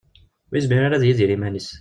Ur yezmir ara ad yidir iman-is.